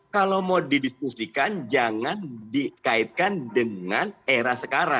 kalau mau didiskusikan jangan dikaitkan dengan era sekarang